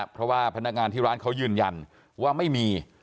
เพราะว่าพนักงานที่ร้านเขายืนยันว่าไม่มี